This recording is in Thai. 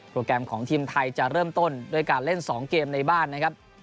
แกรมของทีมไทยจะเริ่มต้นด้วยการเล่น๒เกมในบ้านนะครับ